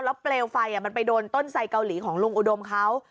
แล้วเปลวไฟไปโดนต้นไซด์เกาหลีของลุงอุดมเขา